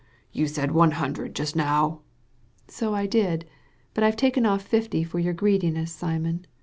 ''You said one hundred just now/' " So I did ; but I've taken oflf fifty for your greedi ness, Simon.